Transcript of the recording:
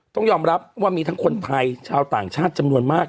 ต้องยอมรับว่ามีทั้งคนไทยชาวต่างชาติจำนวนมาก